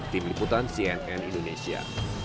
tim liputan cnn indonesia